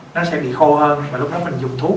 nó sẽ bị khô hơn và lúc đó mình dùng thuốc